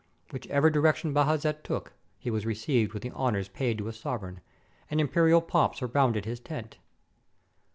Whichever di rection Bajazet took, he was received with the honors paid to a sovereign, and imperial pomp surrounded his tent.